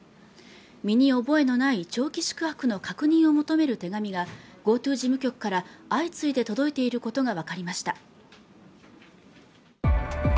身に覚えのない長期宿泊の確認を求める手紙がＧｏＴｏ事務局から相次いで届いていることがわかりました。